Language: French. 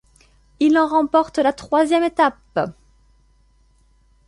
Il en remporte la troisième étape.